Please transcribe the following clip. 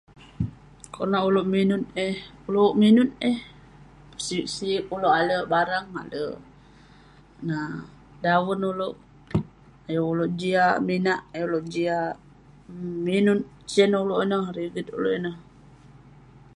Konak ulouk minut eh, ulouk minut eh. Sik sik peh ulouk ale barang, ale um daven ulouk. Ayuk ulouk jiak minak, ayuk ulouk minut sen ulouk ineh, rigit ulouk ineh.